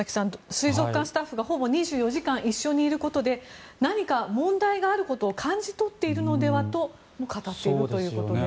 水族館スタッフがほぼ２４時間一緒にいることで何か問題があることを感じ取っているのではと語っているということです。